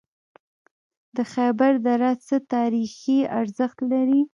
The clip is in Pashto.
د خیبر دره څه تاریخي ارزښت لري؟